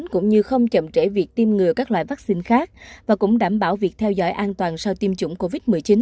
cũng như không chậm trễ việc tiêm ngừa các loại vaccine khác và cũng đảm bảo việc theo dõi an toàn sau tiêm chủng covid một mươi chín